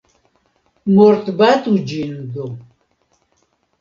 Mortbatu ĝin do!